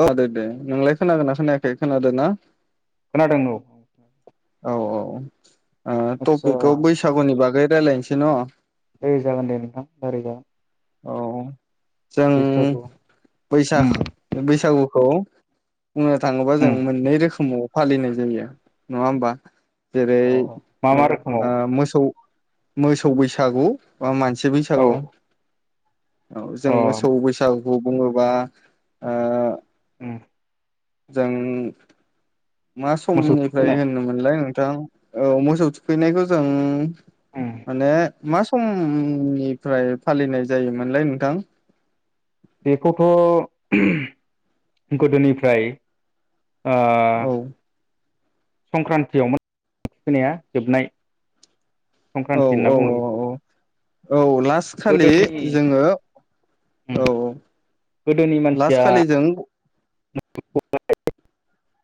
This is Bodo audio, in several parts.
अ दे दे नोंलाय खोनागोन ना खोनायाखै खोनादों ना खोनादों औ औ औ आदसा टपिकखौ बैसागुनि बागै रायलायनोसै न दे जागोन दे नोंथां रायलाय जागोन औ जों उम बैसाख बैसागु औ बुंनो थाङोबा जों उम मोननै रोखोमाव फालिनाय जायो नङा होमबा जेरै अ मा मा रोखोमाव ओ मोसौ मोसौ बैसागु मा मानसि औ बैसागु औ जों अ मोसौ बैसागु गु बुङोबा ओ उम जों मा मोसौ समनिफ्राय थुखैनाय होनोम मोनलाय ओं औ मोसौ थुखैनायखौ जों उम [inaudible] मा समनिफ्राय फालिनाय जायोमोनलाय नोंथां बेखौथ गोदोनिफ्राय ओ औ संक्रान्तियावमोन थुखैनाया जोबनाय औ संक्रान्ति औ होनना बुङो औ बेखौ औ औ लास खालि गोदोनि जोङो उम औ औ गोदोनि लास्ट मानसिया खालि जों [unintelligible]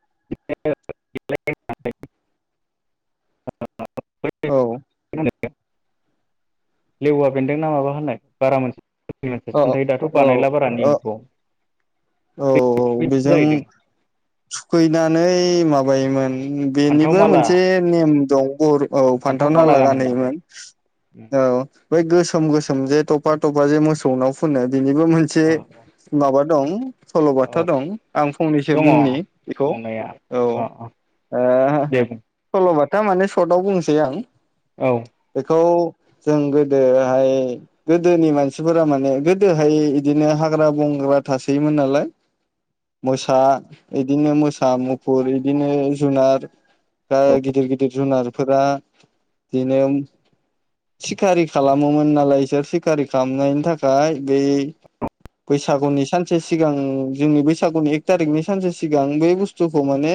[unintelligible] [unintelligible] औ लेवा बेन्दों ना माबा होननाय बारा औ मोजा [unintelligible] दाथ बानायला बारा औ औ नेमखौ औ बेजों थुखै [unintelligible] नानै माबायोमोन ओम फान्थाव बेनिबो माला मोनसे नेम दं बर औ फान्थाव माला फान्थावनाला गानहोनानै गानहैयोमोन औ बै गोसोम गोसोम जे थ'फा थ'फा जे मोसौ नाव फोननो बेनिबो मोनसे औ माबा दं स' खोथा औ दं आं फंनैसो दङ बुंनि बेखौ दंनाया औ अ अ ओह दे बुं सल'बाथा थारमाने सर्टआव बुंनोसै आं औ बेखौ जों गोदोहाय गोदोनि मानसिफोरा माने गोदोहाय बिदिनो हाग्रा बंग्रा थासोयोमोन नालाय मोसा इदिनो मोसा मुफुर इदिनो जुनार बा औ गिदिर गिदिर जुनार फोर बिदिनो सिखारि खालामोमोन नालाय बिसोर सिखारि खालामनायनि थाखाय बै बैसागुनि सानसे सिगां जोंनि बैसागुनि एक थारिकनि सानसे सिगां बे बुस्थुखौ माने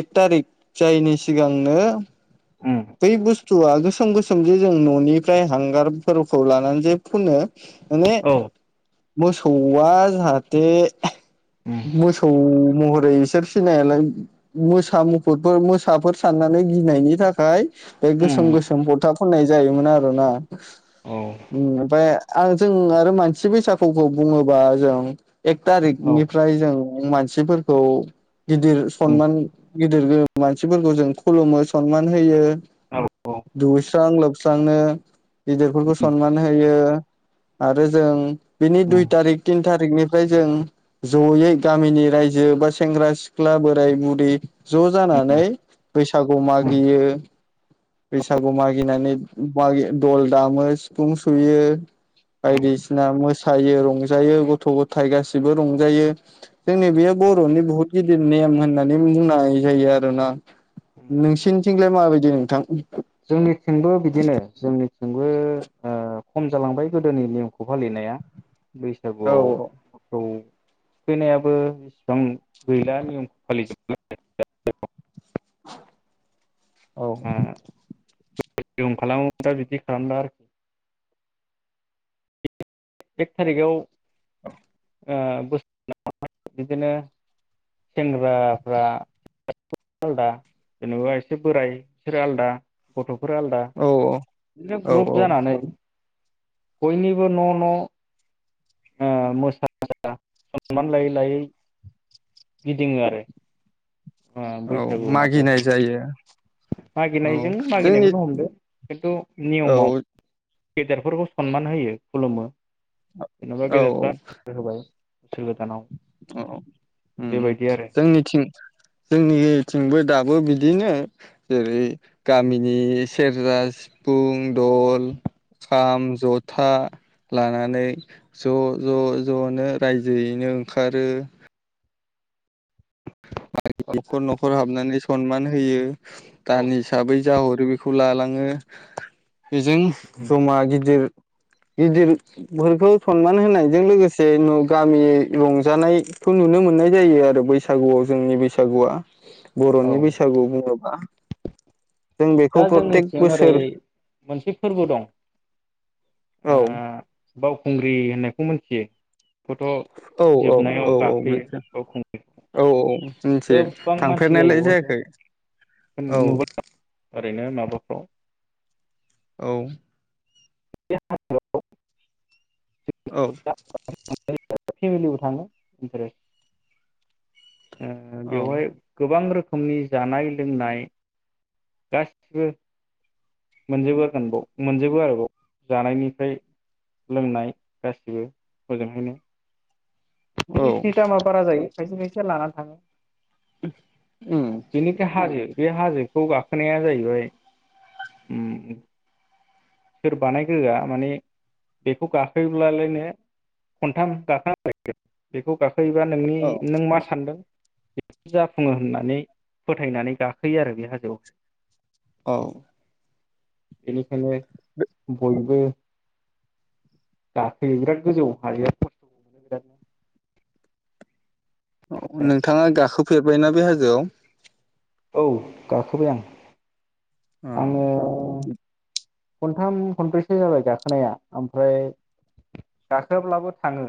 एक थारिक जायनि सिगांनो उम बै बुस्थु आ गोसो गोसोम गोसोम जे जों न'निफ्राय हांगारफोरखौ लानानै जो फुनो माने औ मोसौआ जाहाथे दे उम [unintelligible] मोसौ महर ओरै बिसोर सिनायालाय मोसा मुफुुरफोर मोसाफोर साननानै गिनायनि थाखाय बे उम गोसोम गोसोम फथा फननाय जायोमोन आरो ना औ ओम ओफ्राय [unintelligible] अ आरो जों आरो मानसि बैसागुखौ बुङोबा जों एक औ थारिकनिफ्राय जों मानसिफोरखौ गिदिर उम सनमान गिदिर मानसिफोरखौ जों खुलुमो सनमान होयो औ औ दुगैस्रां लोबस्रांनो गिदरफोरखौ उम सनमान होयो। आरो जों बिनि उम दुइ तारिख तिन थारिकनि फ्राय जों जयै गामिनि रायजो बा सेंग्रा सिख्ला बोराय बुरै ज' जानानै उम बैसागु उम मागियो बैसागु [unintelligible] दल दामो सिफुं सुयो औ बायदिस मोसौ [unintelligible] थायो रंजायो गथ' गथाय गासिबो रंजायो जोंनि बेयो बर'नि बहुत गिदिर नेम होननानै बुंनाय जायो आरोना। नोंसिनिथिंलाय माबायदि नोंथां? जोंनिथिंबो बिदिनो जोंनि जोंबो ओ खम जालांबाय गोदोनि नेमखौ फालिनाया औ बैसागुआव थ थुखैनायाबो इसिबां गैला नियम [unintelligible] [unintelligible] औ [unintelligible] दा बिदि खालामला आरो एक थारिगाव औ आ बोसोराव [unintelligible] बिदिनो सेंग्राफ्रा आलदा जेनेबा एसे बोराय बिसोरो आलादा गथ' फोरा आलदा औ बिदिनो औ औ ग्रुप जानानै बयनिबो न' न' ओ मोसा मोसा मान सनमान लायै लायै गिदिङो आरो औ बैसागु मागिनाय माबायावहाय जायो। औ मागिनायजों जोंनि मागिनायखौनो हमदो। खिनथु नियमाव औ गेदेरफोरखौ सनमान होयो खुलुमो। जेनबा औ गेदेरफ्रा बोरहोबाय बोसोर गोदानाव औ उम उम बेबायदि आरो जोंनिथिं जोंनिथिंबो दाबो बिद दिनो जेरै गामिनि सेरजा सिफुं दल खाम जथा लानानै ज' ज' ज'नो रायजोयैनो ओंखारो [unintelligible] न'खर न'खर हाबनानै सनमान होयो। औ दान हिसाबै जाह रो बेखौ लालाङो बेजों जमा गिदिर गिदिरफोरखौ सनमान होनायजों लोगोसे न गामि रंजानायखौ नुनो मोननाय जायो आरो बैसागुआव जोंनि बैसागुआ। औ बर'नि बैसागु बुङोब्ला दा जोंनिथिं ओरै बोसोर मोनसे फोरबो दं औ बावखुंग्रि होननायखौ मिथियो? बेखौथ' औ औ जोबनायाव औ औ गाखोयो मिथि बावखुं औ औ मिनथियो गोबां मानसि जायो थांफेरनायलाय जायाखै। बेयावहायथ' औ [unintelligible] ओरैनो माबाफ्राव औ [unintelligible] औ [inaudible] फेमिलिबो थांङो ओमफ्राय ओ औ बेवहाय गोबां रोख खोमनि जानाय लोंनाय गासिबो मोनजोबोगोन बाव मोनजोबो आरोबाव जानायनिफ्राय लोंनाय गासैबो हजोंहायनो। औ जिनिसनि दामा बारा जायो। खायसे खायसे लाना थाङो। उम बेनिफ्राय हाजो बे हाजोखौ गाखोनाया जाहैबाय सोर बानायग्रोआ माने बेखौ गाखोब्लालायनो खनथाम गाखो [inaudible] बेखौ गा खोयोबा नोंनि औ नों मा सानदों बेखौ जाफुङो होननानै फोथायनानै गाखोयो आरो बे हाजोआव। औ बेनि खायनो बयबो गाखोयो बिराद गोजौआव हाजोया [inaudible] नोंथाङा गाखोब फेरबायना बे हाजोआव? औ गाखोबाय आं। आङो औ खनथाम खनब्रैसो जाबाय गाखोनाया ओमफ्राय गाखोआब्लाबो थाङो।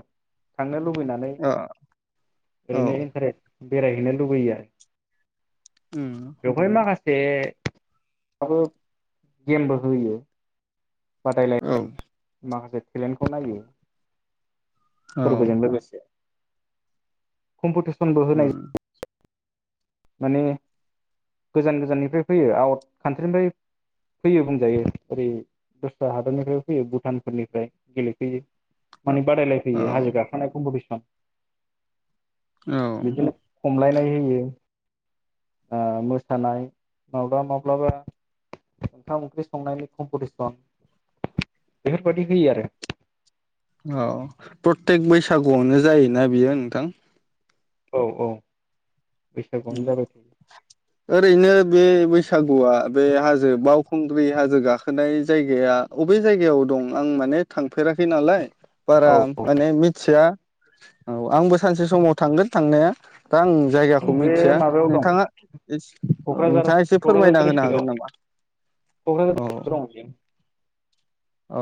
थांनो लुबैनानै औ औ ओरैनो इन्टारेस बेरायहैनो लुबैयो आरो उम बेवहाय माखा से माबो गेमबो होयो। लांदां औ माखासे टेलेन्टखौ नायो। औ फोरबोजों लोगोसे कम्पिटिसनबो होनाय उम माने गोजान गोजाननिफ्राय फैयो आउट कान्ट्रिनिफ्राय फैयो बुंजायो ओरै दस्रा हादरनिफ्राय फैयो भुटानफोरनिफ्राय गेलेफैयो। माने बादायलायफैयो हाजो औ गाखोनाय कमपटिसन औ बिदिनो खमलायनाय होयो ओ मोसानाय माब्लाबा माब्लाबा ओंखाम ओंख्रि संनायनि कम्पिटिसन बेफोरबायदि होयो आरो औ प्रतेक बैसागुआवनो जायोना बियो नोंथां? औ औ बैसागुआनो जाबाय थायो ओरैनो बे बैसागुआ बे हाजो बाव खुंग्रि हाजो गाखोनाय जायगाया अबे जायगायाव दं आं माने थांफेराखै नालाय बारा औ औ माने मिथिया औ आंबो सानसे समाव थांगोन थांनाया दा आं जायगाखौनो बे मिथिया माबायाव दं नोंथाङा क'क्राझार नोंथाङा एसे क'क्राझार फोरमायना होनो डिस्ट्रिक्टआव हागोन क'क्राझार नामा डिस्ट्रिक्टआव औ दं बेयो औ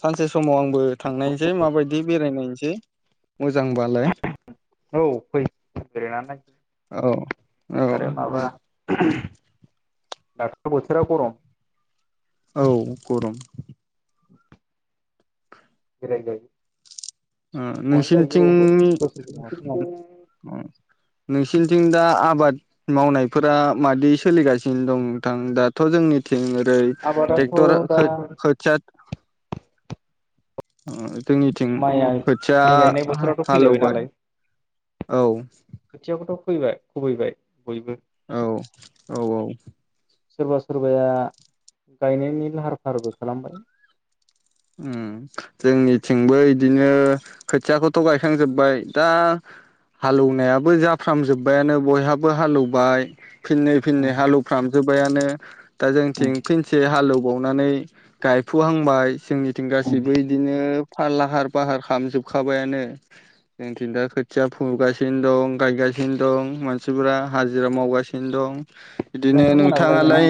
सानसे समाव आंबो थांनायसै माबायदि बेरायनायनोसै सै औ फै बेरायनानै नाय औ औ दाथ' बोथोरा गरम औ गरम [unintelligible] गरमानो जायो बबावबो नोंसोरनिथिंनि बोसोर फुङाव नोंसिनिथिं दा आबाद मावनायफोरा मादि सोलिगासिनो दं नोंथां? दाथ' जोंनि ओरै आबादाथ' ट्रेक्टर दा खोथिया ओ जोंनिथिं माइआ खोथिया माइ गायनाय बोथोरावथ' फैलायबाय हालौबाय नालाय औ खुबैबाय खुबैबाय बयबो। औ औ औ सोरबा सोरबाया गायनायनि लाहार फाहारबो खालामबाय। ओम जोंनिथिंबो इदिनो खोथियाखौथ' गायखांजोब्बाय दा हालौनायाबो जाफ्रामजोबबायानो बयहाबो हालौबाय फिननै फिननै उम हालौफ्रामजोब- बायानो दा उम जोंथिं फिनसे हालौ बावनानै गायफुहांबाय जोंनिथिं गासैबो बिदिनो फार लाहार फाहार खालामाम जोबखाबायानो जोंथिं दा खोथिया फुगासिनो दं गायगासिनो दं मानसिफोरा हाजिरा मावगासिनो दं। इदिनो नोंथांमोनाबो गायगोना नोंथाङालाय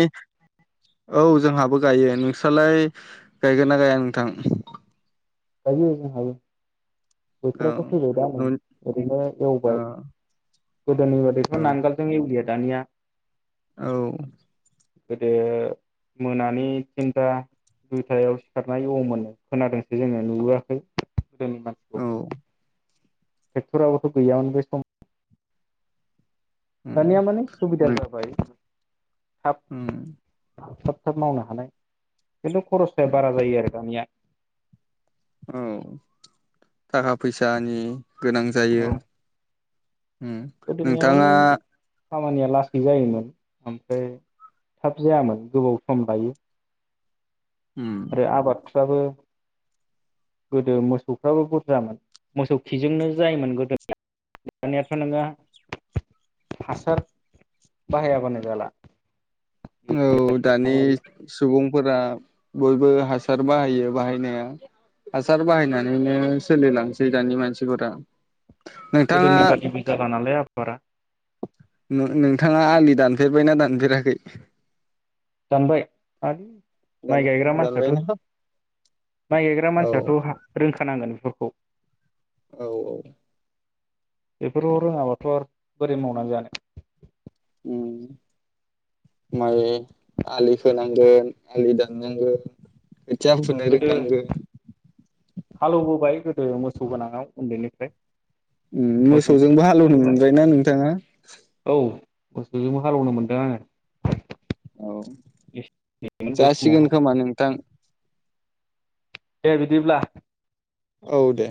औ जोंहाबो गायो नोंस्रलाय गायगो ना गाया नोंथां गायो जोंहाबो औ बोथोराथ' फैबाय दा नै ओरैनो औ एवबाय गोदोनि बादिथ' नांगालजों एवलिया दानिया औ गोदो मोनानि थिनथा दुइथायाव सिखारना एवोमोन नो खोनादोंसो जोङो नुबोआखै गोदोनि औ मानसिखौहाय टेक्ट'राबोथ' गैयामोन बे समा दानिया उम माने सुबिदा जाबाय थाब थाब मावनो हानाय खिन्थु खरसाया उम बारा जायो आरो दानिया औ थाखा फैसानि गोनां जायो औ उम गोदोनिया माने नोंथाङा खामानिया लासै जायोमोन ओमफ्राय थाब जायामोन गोबाव सम लायो उम आरो आबाद बाबो गोदो मोसौफ्राबो बुरजामोन मोसौ खिजोंनो जायोमोन गोदो दानियाथ' नोङो हासार बाहायाबानो जाला औ दानि सुबुंफोरा बयबो हासार बाहायो बाहायनाया हासार बाहायनानैनो सोलिलांसै दानि मानसिफोरा। नोंथाङा गोदोनि बादिबो जाला नालाय आ बारा नो-नोंथाङा आलि दानफेरबायना दान फेराखै दानबाय आ माइ गायग्रा दानबायना मानसियाथ' माइ गायग्रा औ मानसियाथ' हा रोंख खोनांगोन बेफोरखौ औ औ बेफोरखौ रोङाबाथ' आरो बोरै मावनानै जानो। उम माइ आलि खोनांगोन आलि दाननांगोन खोथिया फुनो गोदो रोंनांगोन हालौबोबाय गोदो मोसौ गोनाङाव उन्दैनिफ्राय उम मोसौ मोसौजोंबो हालेवनो मोनबायना नोंथाङा औ मोसौजोंबो हालेवनो मोनदों आङो औ एसे मोन बे जासिगोन समावहाय खोमा नोंथां दे बिदिब्ला औ दे